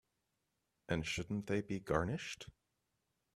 And shouldn't they be garnished?